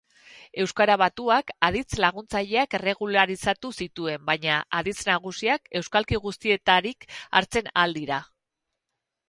Euskara Batuak aditz laguntzaileak erregularizatu zituen, baina aditz nagusiak euskalki guztietarik hartzen ahal dira.